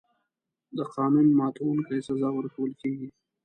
د قانون ماتونکي سزا ورکول کېږي.